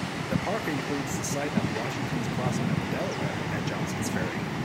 The park includes the site of Washington's crossing of the Delaware at Johnsons Ferry.